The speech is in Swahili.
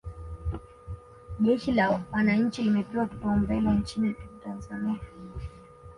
jeshi la wananchi limepewa kipaumbele nchi tanzania